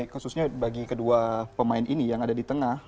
khususnya bagi kedua pemain ini yang ada di tengah